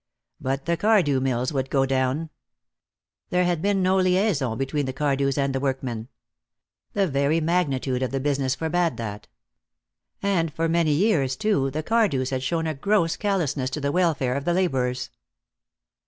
But the Cardew Mills would go down. There had been no liaison between the Cardews and the workmen. The very magnitude of the business forbade that. And for many years, too, the Cardews had shown a gross callousness to the welfare of the laborers.